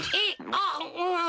あっううん。